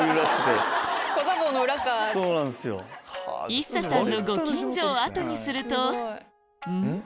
ＩＳＳＡさんのご近所を後にするとうん？